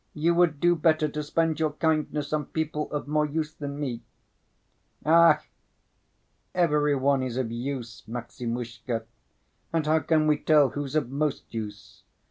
"You would do better to spend your kindness on people of more use than me." "Ech, every one is of use, Maximushka, and how can we tell who's of most use?